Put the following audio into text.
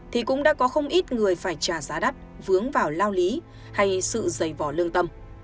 thì cũng đã có không ít người phải trả giá đắt vướng vào lao lý hay sự giày vò lương tâm